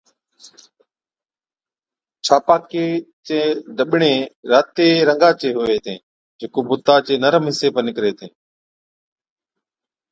ڇاپاڪي چين ڊٻڙين راتي رنگا چي هُوي هِتين، جڪو بُتا چي نرم حِصي پر نِڪري هِتين